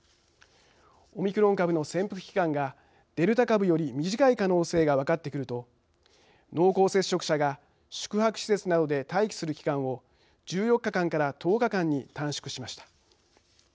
オミクロン株の潜伏期間がデルタ株より短い可能性が分かってくると濃厚接触者が宿泊施設などで待機する期間を１４日間から１０日間に短縮しました。